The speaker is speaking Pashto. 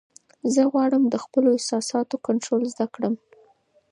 زه غواړم د خپلو احساساتو کنټرول زده کړم.